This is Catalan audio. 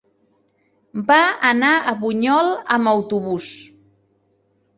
Va anar a Bunyol amb autobús.